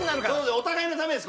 お互いのためです